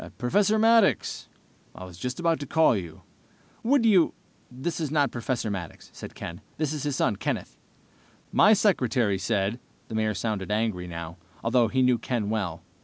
"Professor Maddox, I was just about to call you. Would you...." "This is not Professor Maddox," said Ken. "I'm his son, Kenneth." "My secretary said...." The Mayor sounded angry now, although he knew Ken well.